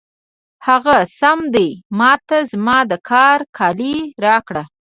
هغه سم دی، ما ته زما د کار کالي راکړه.